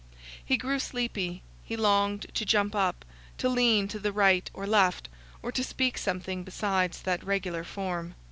He grew sleepy, he longed to jump up, to lean to the right or left, or to speak something besides that regular form.